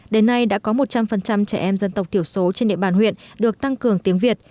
đến nay đã có một trăm linh trẻ em dân tộc thiểu số trên địa bàn huyện được tăng cường tiếng việt